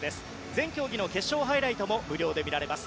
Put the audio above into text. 全競技の決勝ハイライトも無料で見られます。